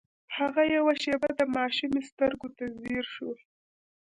هغه يوه شېبه د ماشومې سترګو ته ځير شو.